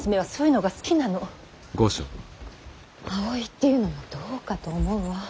葵っていうのもどうかと思うわ。